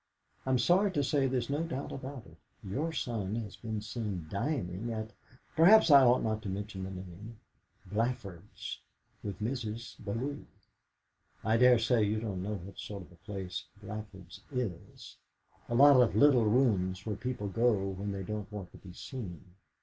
I'm sorry to say there's no doubt about it; your son has been seen dining at perhaps I ought not to mention the name Blafard's, with Mrs. Bellew. I dare say you don't know what sort of a place Blafard's is a lot of little rooms where people go when they don't want to be seen.